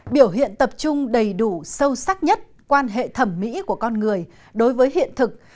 biểu hiện tập trung đầy đủ sâu sắc nhất quan hệ thẩm mỹ của con người đối với hiện thực